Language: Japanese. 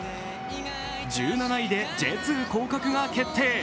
１７位でＪ２降格が決定。